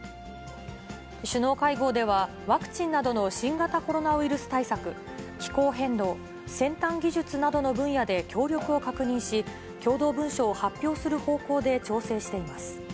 首脳会合では、ワクチンなどの新型コロナウイルス対策、気候変動、先端技術などの分野で協力を確認し、共同文書を発表する方向で調整しています。